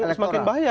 tentu semakin bahaya